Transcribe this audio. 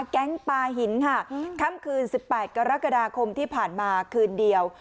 ปลาหินค่ะค่ำคืน๑๘กรกฎาคมที่ผ่านมาคืนเดียว